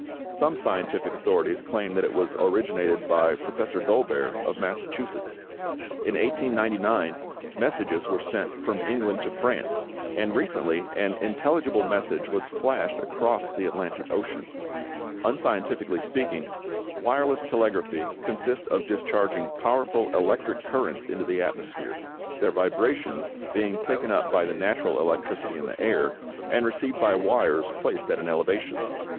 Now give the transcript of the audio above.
Some scientific authorities claim that it was originated by Professor Dolbear, of Massachusetts. In 1899, messages were sent from England to France, and recently an intelligible message was flashed across the Atlantic Ocean. Unscientifically speaking, wireless telegraphy consists of discharging powerful electrical currents into the atmosphere, their vibrations being taken up by the natural electricity in the air, and received by wires placed at an elevation.